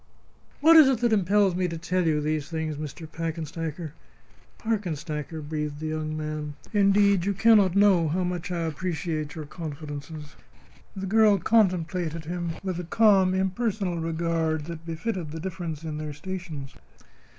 What is it that impels me to tell you these things, Mr. Packenstacker? "Parkenstacker," breathed the young man. "Indeed, you cannot know how much I appreciate your confidences." The girl contemplated him with the calm, impersonal regard that befitted the difference in their stations.